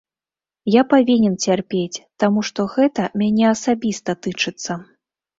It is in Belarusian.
Я павінен цярпець, таму што гэта мяне асабіста тычыцца.